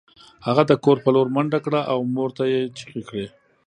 هغه د کور په لور منډه کړه او مور ته یې چیغې کړې